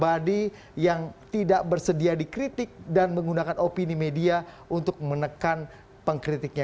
sebagai lembaga super body yang tidak bersedia dikritik dan menggunakan opini media untuk menekan pengkritiknya